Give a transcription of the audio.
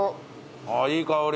ああいい香り。